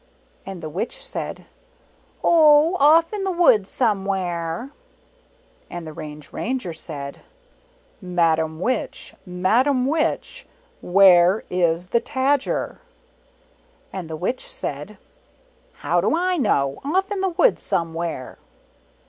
And the Witch said, " Oh, off in the woods somewhere !" And the Range Ranger said, " Madam Witch ! Madam Witch! Where is the Tajer?" And the Witch said, "How do I know? Off in the woods somewhere."